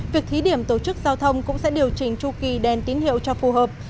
việc thí điểm tổ chức giao thông cũng sẽ điều chỉnh chu kỳ đèn tín hiệu cho phù hợp